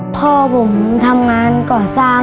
พ่อผมทำงานก่อนสั้น